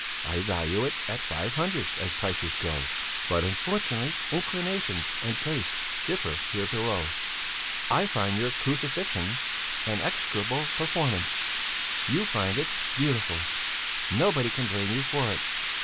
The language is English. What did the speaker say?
"I value it at five hundred, as prices go! But unfortunately inclinations and tastes differ here below. I find your 'Crucifixion' an execrable performance, you find it beautiful. Nobody can blame you for it.